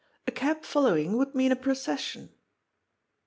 ^^A cab following would mean a procession."